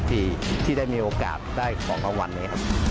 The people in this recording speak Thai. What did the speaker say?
ที่ได้มีโอกาสได้ของกับวันนี้